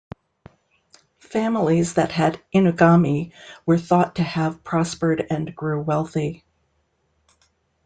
Families that had inugami were thought to have prospered and grew wealthy.